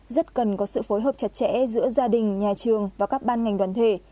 rất cần có sự phối hợp chặt chẽ giữa gia đình nhà trường và các ban ngành đoàn thể